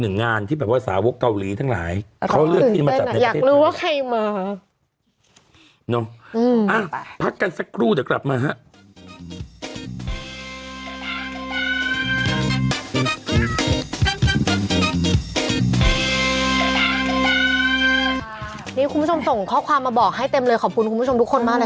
นี่คุณผู้ชมส่งข้อความมาบอกให้เต็มเลยขอบคุณคุณผู้ชมทุกคนมากเลย